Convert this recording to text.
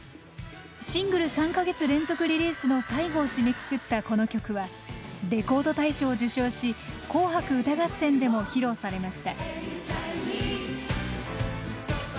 シングル３か月連続リリースの最後を締めくくったこの曲はレコード大賞を受賞し「紅白歌合戦」でも披露されました。